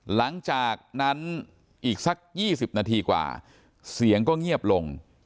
หลังจากนั้นอีกสัก๒๐นาทีกว่าเสียงก็เงียบลง